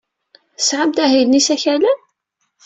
Tesɛamt ahil n yisakalen?